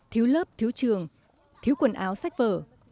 thiếu lớp thiếu trường thiếu quần áo sách vở